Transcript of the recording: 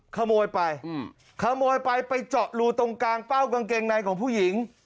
ขโมยไปขโมยไปไปเจาะรูตรงกลางเป้ากางเกงในของผู้หญิง